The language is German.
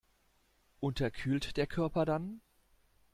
Unterkühlt der Körper dann?